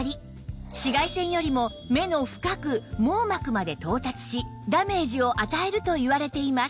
紫外線よりも目の深く網膜まで到達しダメージを与えるといわれています